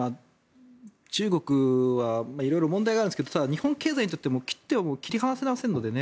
中国は色々問題がありますがただ、日本経済にとっても切っても切り離せませんからね。